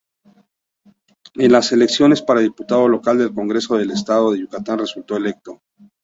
En las elecciones para diputado local al Congreso del Estado de Yucatán resultó electo.